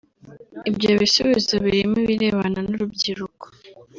Ibyo bisubizo birimo ibirebana n’urubyiruko